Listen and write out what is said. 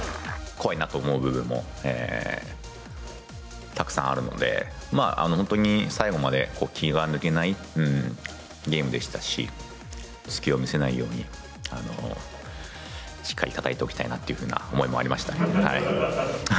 怖いなと思う部分もたくさんあるので、本当に最後まで気は抜けないゲームでしたし、隙を見せないように、しっかりたたいておきたいなというふうな思いもありました。